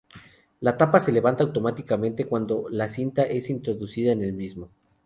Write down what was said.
La tapa se levanta automáticamente cuando la cinta es introducida en el mismo.